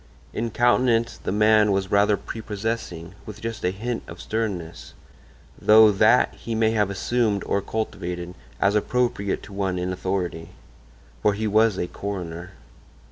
In countenance the man was rather prepossessing, with just a hint of sternness; though that he may have assumed or cultivated, as appropriate to one in authority. For he was a coroner.